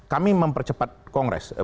kami mempercepat kongres